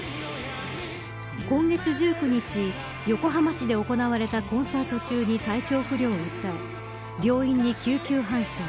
今月１９日横浜市で行われたコンサート中に体調不良を訴え病院に救急搬送。